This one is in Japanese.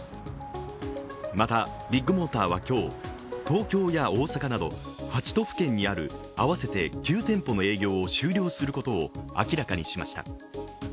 また、ビッグモーターは今日東京や大阪など８都府県にある合わせて９店舗の営業を終了することを明らかにしました。